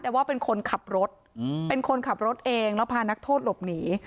แต่ว่าเป็นคนขับรถเป็นคนขับรถเองแล้วพานักโทษหลบหนี